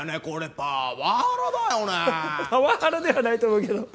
パワハラではないと思うけど。